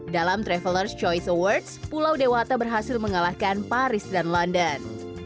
dalam travelers ⁇ choice awards pulau dewata berhasil mengalahkan paris dan london